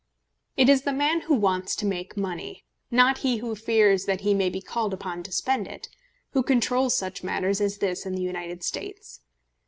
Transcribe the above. It is the man who wants to make money, not he who fears that he may be called upon to spend it, who controls such matters as this in the United States.